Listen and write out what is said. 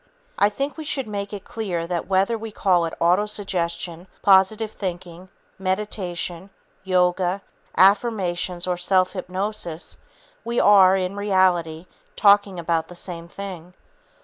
I think we should make it clear that whether we call it autosuggestion, positive thinking, meditation, yoga, affirmations or self hypnosis, we are, in reality, talking about the same thing.